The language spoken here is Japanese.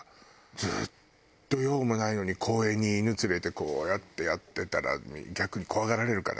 ずっと用もないのに公園に犬連れてこうやってやってたら逆に怖がられるかな？